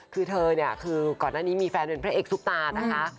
คือเธอเนี่ยคือก่อนหน้านี้มีแฟนเป็นพระเอกซุปตานะคะ